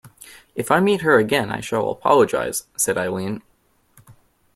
If I meet her again I shall apologize, said Eileen.